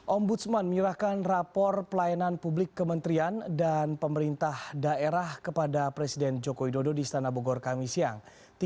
ombudsman menyerahkan rapor pelayanan publik kementerian dan pemerintah daerah kepada presiden joko widodo di istana bogor kami siang